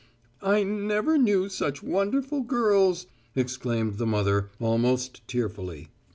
"I never knew such wonderful girls!" exclaimed the mother, almost tearfully.